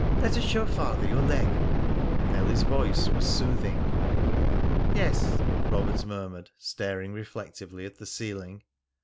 Let us show Father your leg." Nellie's voice was soothing. "Yes," Robert murmured, staring reflectively at the ceiling.